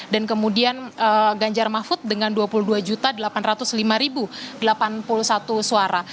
kemudian ganjar mahfud dengan dua puluh dua delapan ratus lima delapan puluh satu suara